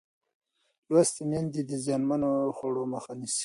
لوستې میندې د زیانمنو خوړو مخه نیسي.